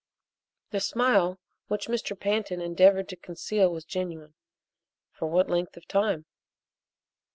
The smile which Mr. Pantin endeavored to conceal was genuine. "For what length of time?"